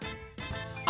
あ！